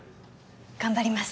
頑張ります。